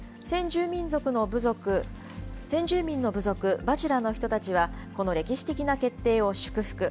先住民の部族、バチュラの人たちは、この歴史的な決定を祝福。